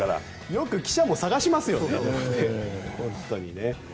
よく記者も探しますよね。